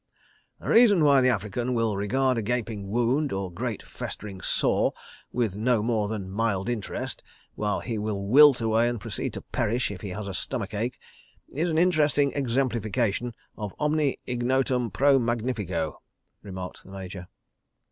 "The reason why the African will regard a gaping wound, or great festering sore, with no more than mild interest, while he will wilt away and proceed to perish if he has a stomach ache is an interestin' exemplification of omne ignotum pro magnifico," remarked the Major.